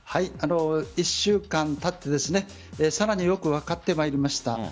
１週間たってさらによく分かってまいりました。